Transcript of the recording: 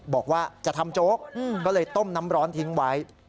บอกว่าจะทำโจ๊กก็เลยต้มน้ำร้อนทิ้งไว้